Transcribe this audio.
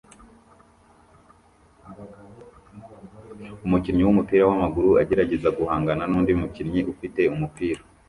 Umukinnyi wumupira wamaguru agerageza guhangana nundi mukinnyi ufite umupira